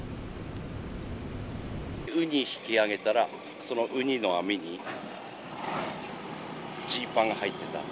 ウニ引き揚げたら、そのウニの網にジーパンが入ってた。